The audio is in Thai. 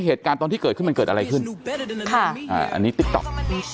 เหตุการณ์ตอนที่เกิดขึ้นมันเกิดอะไรขึ้นอ่าอันนี้ติ๊กต๊อกมันมี